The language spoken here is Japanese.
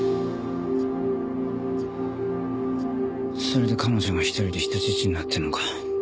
それで彼女が１人で人質になってるのか。